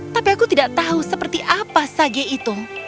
tapi aku tidak tahu seperti apa sage itu